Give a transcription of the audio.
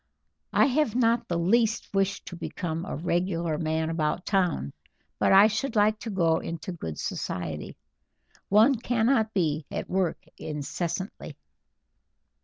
I have not the least wish to become a regular man about town, but I should like to go into good society. One cannot be at work incessantly."